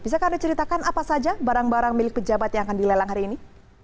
bisakah anda ceritakan apa saja barang barang milik pejabat yang akan dilelang hari ini